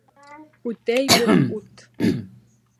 — Үтәйбеҙ, ут